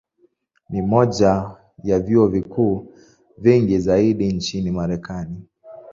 Ni moja ya vyuo vikuu vingi zaidi nchini Marekani.